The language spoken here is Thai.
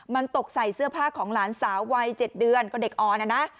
มันตกใส่เสื้อผ้าของหลานสาววัย๗เดือนก็เด็กอ่อนนะนะ